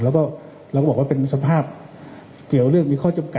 แล้วก็เราก็บอกว่าเป็นสภาพเกี่ยวเรื่องมีข้อจำกัด